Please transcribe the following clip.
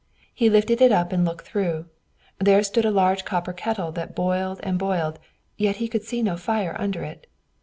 He lifted it up and looked through; there stood a large copper kettle, that boiled and boiled, yet he could see no fire under it.